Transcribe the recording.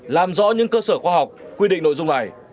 làm rõ những cơ sở khoa học quy định nội dung này